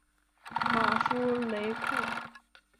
马夫雷库尔。